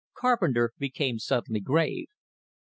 Carpenter became suddenly grave.